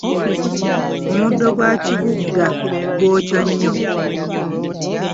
Omuddo gwa kibugga gwokya nnyo.